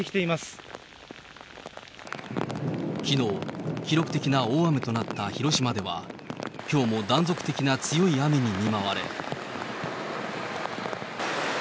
きのう、記録的な大雨となった広島では、きょうも断続的な強い雨に見舞われ。